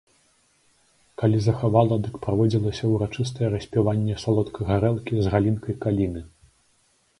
Калі захавала, дык праводзілася ўрачыстае распіванне салодкай гарэлкі з галінкай каліны.